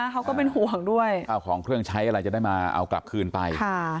เขาก็เป็นห่วงด้วยเอาของเครื่องใช้อะไรจะได้มาเอากลับคืนไป